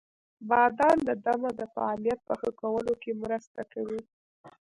• بادام د دمه د فعالیت په ښه کولو کې مرسته کوي.